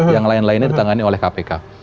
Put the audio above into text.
yang lain lainnya ditangani oleh kpk